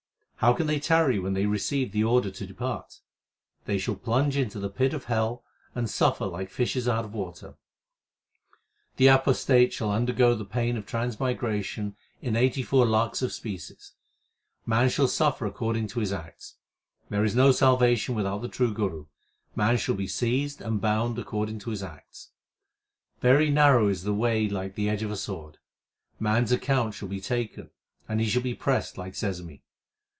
How can they tarry when they receive the order to depart ? They shall plunge into the pit of hell and suffer like fishes out of water. The apostate shall undergo the pain of transmigration in eighty four lakhs of species. Man shall suffer according to his acts. There is no salvation without the true Guru ; man shall be seized and bound according to his acts. Very narrow is the way like the edge of a sword. Man s account shall be taken, and he shall be pressed like sesame.